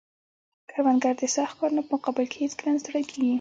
کروندګر د سخت کارونو په مقابل کې هیڅکله نه ستړی کیږي